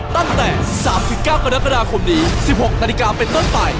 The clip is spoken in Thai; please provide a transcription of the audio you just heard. ตั้งแต่๓๙กรกฎาคมนี้๑๖นาฬิกาเป็นต้นไป